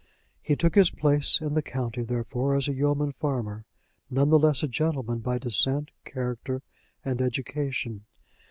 He took his place in the county, therefore, as a yeoman farmer none the less a gentleman by descent, character, and education.